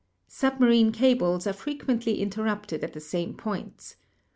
Submarine cables are frequently interrupted at the same points.